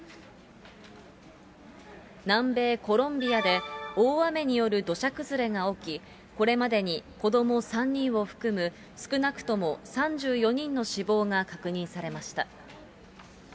南米コロンビアで、大雨による土砂崩れが起き、これまでに子ども３人を含む、少なくとも３４人の死亡が確認されました。